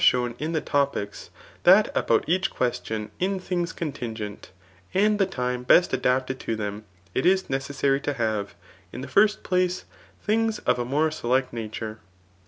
175 shown in the Topics^ that about each question m things ccmtingenty and the time best adapted to thern^ it is necessarf to have, in the first place, things of a more select nature.